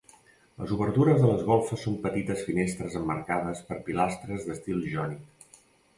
Les obertures de les golfes són petites finestres emmarcades per pilastres d'estil jònic.